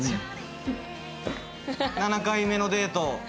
７回目のデート！